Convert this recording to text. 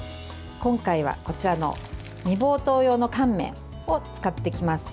今回はこちらの煮ぼうとう用の乾麺を使っていきます。